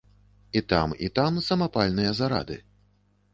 І там і там самапальныя зарады.